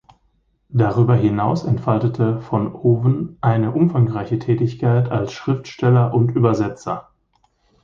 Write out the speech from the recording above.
Darüber hinaus entfaltete von Oven eine umfangreiche Tätigkeit als Schriftsteller und Übersetzer.